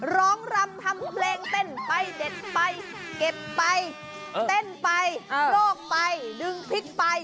รำทำเพลงเต้นไปเด็ดไปเก็บไปเต้นไปโลกไปดึงพริกไป